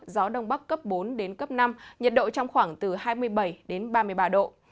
giật cấp năm nhiệt độ trong khoảng từ hai mươi bảy đến ba mươi ba độ